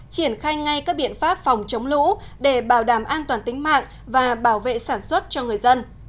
triển khai ngay các biện pháp phòng chống lũ để bảo đảm an toàn tính mạng và bảo vệ sản xuất cho người dân